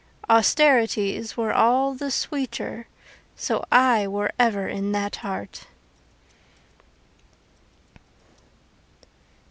Austerities were all the sweeter So I were ever in that heart.